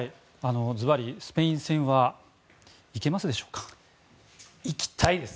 ずばりスペイン戦はいけますでしょうか？